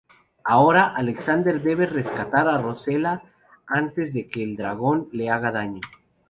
Ahora, Alexander debe rescatar a Rosella antes de que el dragón le haga daño...